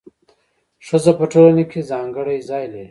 ښځه په ټولنه کي ځانګړی ځای لري.